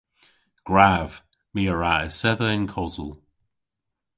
Gwrav. My a wra esedha yn kosel.